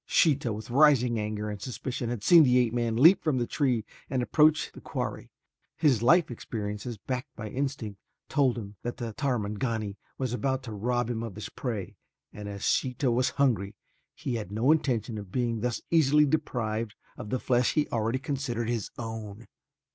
Sheeta with rising anger and suspicion had seen the ape man leap from the tree and approach the quarry. His life's experiences backed by instinct told him that the Tarmangani was about to rob him of his prey and as Sheeta was hungry, he had no intention of being thus easily deprived of the flesh he already considered his own.